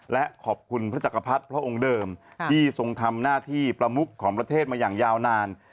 และขอบคุณพระจักรพรรดิพระองค์เดิมที่ทรงทำหน้าที่ประมุขของประเทศมาอย่างยาวนาน